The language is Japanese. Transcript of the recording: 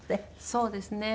そうですね。